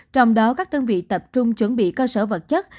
trong đó các đơn vị tập trung chuẩn bị cơ sở vật chất